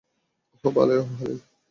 ওহ, ভালোই।